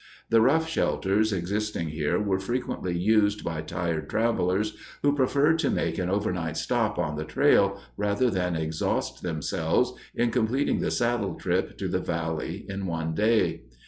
The rough shelters existing here were frequently used by tired travelers who preferred to make an overnight stop on the trail rather than exhaust themselves in completing the saddle trip to the valley in one day.